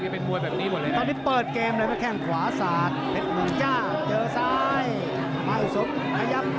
ส่องที่มีนะส่องเยอะมากฮมอาะใชา